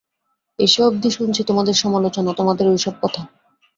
এসে অবধি শুনছি, তোমাদের সমালোচনা, তোমাদের ঐ-সব কথা।